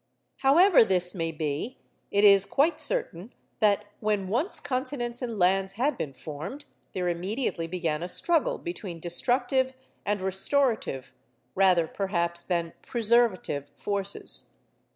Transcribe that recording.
However this may be, it is quite certain that when once continents and lands had been formed, there immediately began a struggle between destructive and restorative (rather, perhaps, than preservative) forces.